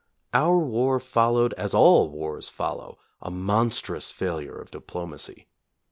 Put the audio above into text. Our war followed, as all wars follow, a monstrous failure of diplomacy.